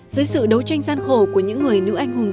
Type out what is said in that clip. dưới sự đấu tranh gian khổ của những người nữ anh hùng